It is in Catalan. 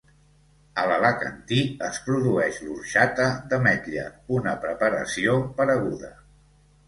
A l'Alacantí es produeix l'orxata d'ametlla, una preparació pareguda.